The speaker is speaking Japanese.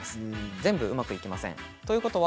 全部うまくいきません。